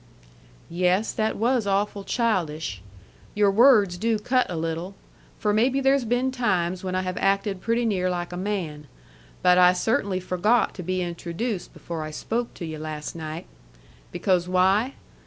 "Yes; that was awful childish. Your words do cut a little; for maybe there's been times when I have acted pretty near like a man. But I cert'nly forgot to be introduced before I spoke to yu' last night. Because why?